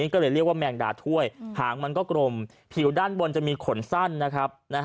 ก็เลยเรียกว่าแมงดาถ้วยหางมันก็กลมผิวด้านบนจะมีขนสั้นนะครับ